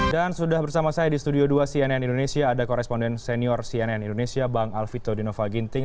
dan sudah bersama saya di studio dua cnn indonesia ada koresponden senior cnn indonesia bang alvito dinova ginting